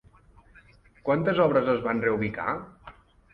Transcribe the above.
Quantes obres es van reubicar?